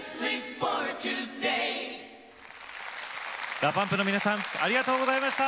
ＤＡＰＵＭＰの皆さんありがとうございました。